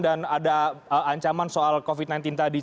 ada ancaman soal covid sembilan belas tadi